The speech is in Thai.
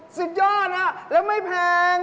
สุดยอดครับและไม่แพง